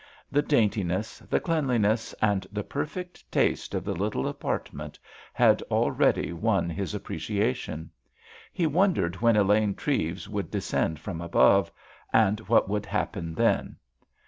The daintiness, the cleanliness, and the perfect taste of the little apartment had already won his appreciation. He wondered when Elaine Treves would descend from above, and what would happen then.